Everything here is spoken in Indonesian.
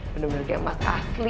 bener bener kayak emas asli